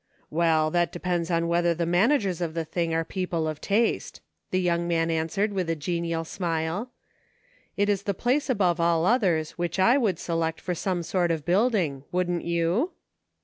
"Well, that depends on whether the managers of the thing are people of taste," the young man answered, with a genial smile. " It is the place above all others which I would select for some sort of building ; wouldn't you